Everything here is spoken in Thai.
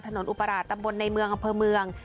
อุปราศตำบลในเมืองอำเภอเมือง